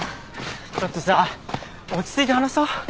ちょっとさ落ち着いて話そう。